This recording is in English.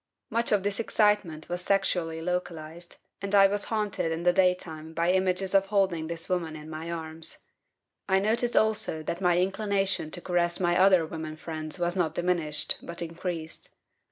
"Much of this excitement was sexually localized, and I was haunted in the daytime by images of holding this woman in my arms. I noticed also that my inclination to caress my other women friends was not diminished, but increased.